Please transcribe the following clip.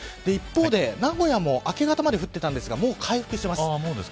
一方で、名古屋も明け方まで降ってたんですがもう回復してます。